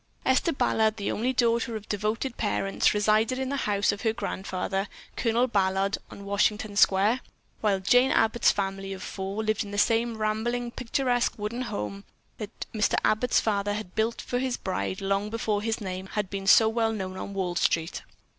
Esther Ballard, the only daughter of devoted parents, resided in the house of her grandfather, Colonel Ballard, on Washington Square, while Jane Abbott's family of four lived in the same rambling, picturesque wooden house that Mr. Abbott's father had built for his bride long before his name had become so well known on Wall Street.